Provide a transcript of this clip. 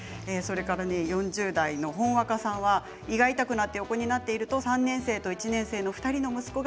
４０代の方は胃が痛くなって横になっていると３年生と１年生の２人の息子が